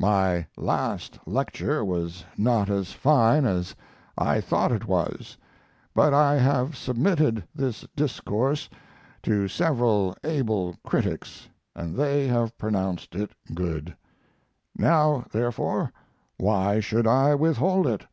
My last lecture was not as fine as I thought it was, but I have submitted this discourse to several able critics, and they have pronounced it good. Now, therefore, why should I withhold it?